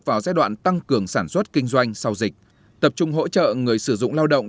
vào giai đoạn tăng cường sản xuất kinh doanh sau dịch tập trung hỗ trợ người sử dụng lao động